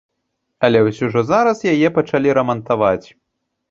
Але вось ўжо зараз яе пачалі рамантаваць.